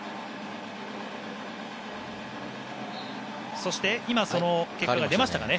そして、今その結果が出ましたかね。